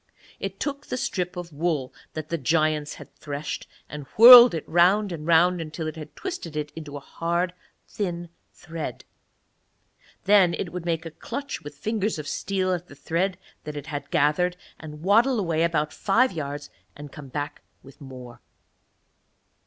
It took the strip of wool that the giants had threshed, and whirled it round and round until it had twisted it into hard thin thread. Then it would make a clutch with fingers of steel at the thread that it had gathered, and waddle away about five yards and come back with more.